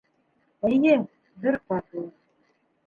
Эйе, бер ҡатлы